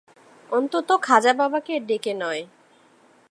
অন্তত খাজা বাবাকে ডেকে নয়।